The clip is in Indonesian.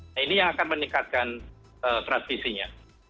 nah ini yang akan meningkatkan transmisinya